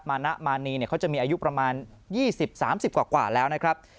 นะมานีเขาจะมีอายุประมาณ๒๐๓๐กว่าแล้วนะครับ